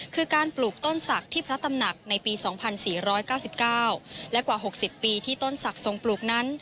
คือการปลูกต้นศักดิ์ที่พระตำหนักในปี๒๔๙๙และกว่า๖๐ปีที่ต้นศักดิ์ทรงปลูกนั้น